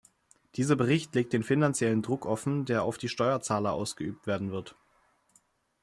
Dieser Bericht legt den finanziellen Druck offen, der auf die Steuerzahler ausgeübt werden wird.